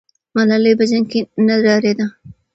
ملالۍ په جنګ کې نه ډارېده.